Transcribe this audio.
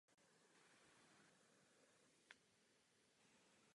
Tato porucha se může vyskytovat i bez poruchy číst písmena.